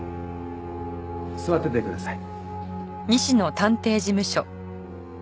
座っててください。